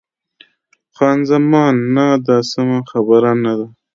خان زمان: نه، دا سمه خبره نه ده.